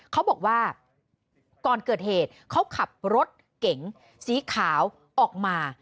เขาบอกว่าก่อนเกิดเหตุเขาขับรถเก๋งสีขาวออกมา